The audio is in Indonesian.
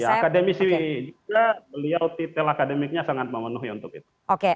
akademisi juga beliau titel akademiknya sangat memenuhi untuk itu